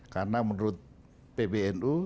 karena menurut ppnu